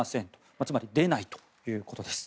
つまり、出ないということです。